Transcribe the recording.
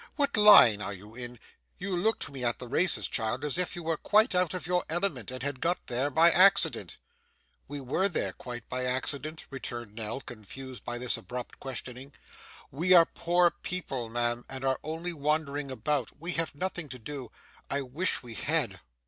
What line are you in? You looked to me at the races, child, as if you were quite out of your element, and had got there by accident.' 'We were there quite by accident,' returned Nell, confused by this abrupt questioning. 'We are poor people, ma'am, and are only wandering about. We have nothing to do; I wish we had.